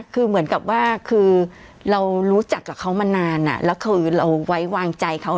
คือเหมือนกับว่าคือเรารู้จักกับเขามานานแล้วคือเราไว้วางใจเขา